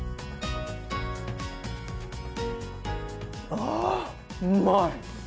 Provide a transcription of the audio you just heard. ああうまい！